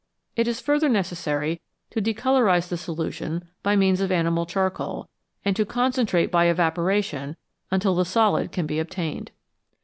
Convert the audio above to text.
It is further necessary to de colorise the solution by means of animal charcoal, and to concentrate by evaporation until the solid can be obtained.